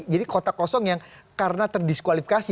jadi kota kosong yang karena terdiskualifikasi